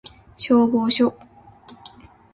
消防署